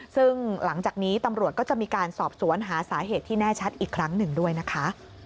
ซึ่งหลังจากนี้ตำรวจก็จะมีการสอบสวนหาสาเหตุที่แน่ชัดอีกครั้งหนึ่งด้วยนะคะ